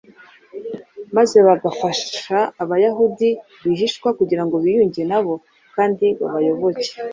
maze bagafasha Abayahudi rwihishwa kugira ngo biyunge nabo kandi babayoboke.